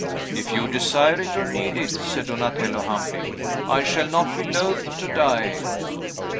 "If you desire it, or need it," said Donatello humbly, "I shall not be loath to die."